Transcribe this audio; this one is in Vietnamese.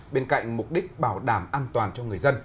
bên cạnh mục đích bảo đảm an toàn cho người dân